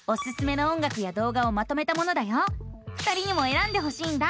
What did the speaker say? ２人にもえらんでほしいんだ。